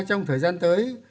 trong thời gian tới